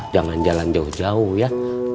jangan jalan jauh jauh ya